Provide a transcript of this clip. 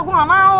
gue gak mau